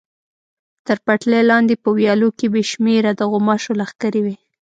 تر پټلۍ لاندې په ویالو کې بې شمېره د غوماشو لښکرې وې.